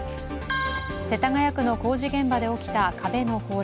世田谷区の工事現場で起きた壁の崩落。